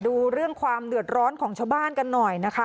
ดูเรื่องความเดือดร้อนของชาวบ้านกันหน่อยนะคะ